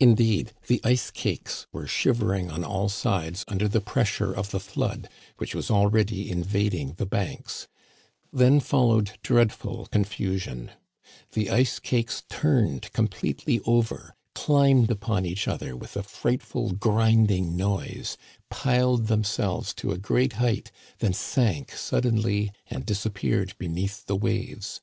Indeed the ice cakes were shivering on all sides under the pressure of the flood, which was already invading the banks. Then followed dreadful confusion. The ice Digitized by VjOOQIC THE BREAKING UP OF THE ICE. 6l cakes turned completely over, climbed upon each other with a frightful grinding noise, piled themselves to a great height, then sank suddenly and disappeared be neath the waves.